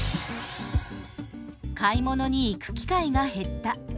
「『買い物』に行く機会が減った」